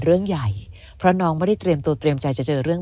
เรื่องใหญ่เพราะน้องไม่ได้เตรียมตัวเตรียมใจจะเจอเรื่อง